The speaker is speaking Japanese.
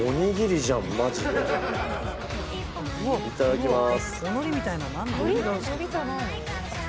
いただきます。